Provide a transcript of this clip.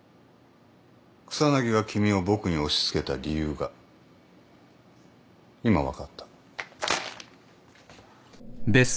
草薙が君を僕に押し付けた理由が今分かった。